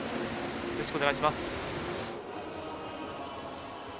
よろしくお願いします。